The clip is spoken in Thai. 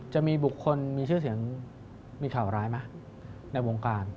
จะมีบุคคลมีชื่อเสียงมีข่าวร้ายไหมในวงการ